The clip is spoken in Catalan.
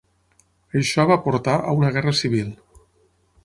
Això va portar a una guerra civil.